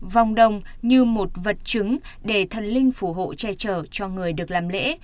vòng đồng như một vật chứng để thần linh phù hộ che trở cho người được làm lễ